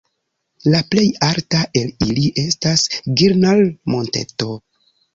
La plej alta el ili estas Girnar-Monteto.